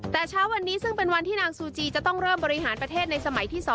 แต่เช้าวันนี้ซึ่งเป็นวันที่นางซูจีจะต้องเริ่มบริหารประเทศในสมัยที่๒